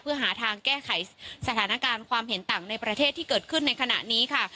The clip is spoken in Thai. เพื่อหาทางแก้ไขสถานการณ์ความเห็นต่างในประเทศที่เกิดขึ้นในขณะนี้ค่ะ